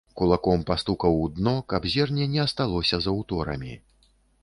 Кулаком пастукаў у дно, каб зерне не асталося за ўторамі.